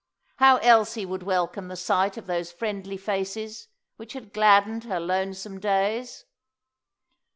How Elsie would welcome the sight of those friendly faces which had gladdened her lonesome days!